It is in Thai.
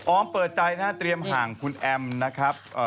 อออมเปิดใจนะทรียมห่างคุณแอมนะครับ